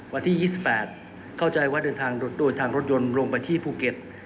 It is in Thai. วันที่๒๘เข้าใจว่าเดินทางด้วยทางรถยนต์ลงไปที่ภูเก็ต